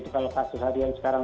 kalau kasus harian sekarang